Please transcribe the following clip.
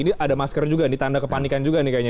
ini ada masker juga nih tanda kepanikan juga nih kayaknya